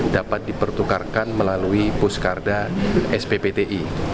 dapat dipertukarkan melalui puskarda sppti